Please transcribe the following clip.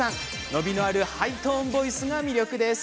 伸びのあるハイトーンボイスが魅力です。